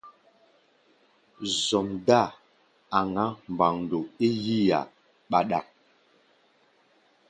Zɔm-dáa aŋá mbandɔ é yí-a ɓaɗak.